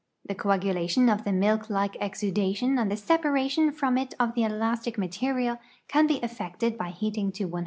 The coagulation of tlie milk like exudation and the se|)a ration from it of the elastic material can l»e effected by heating to Ki?